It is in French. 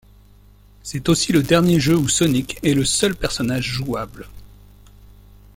C'est aussi le dernier jeu où Sonic est le seul personnage jouable.